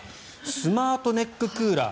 スマートネッククーラー